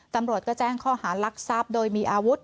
ตำรวจก็แจ้งข้อหารักทรัพย์โดยมีอาวุธ